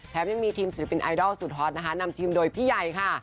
ยังมีทีมศิลปินไอดอลสุดฮอตนะคะนำทีมโดยพี่ใหญ่ค่ะ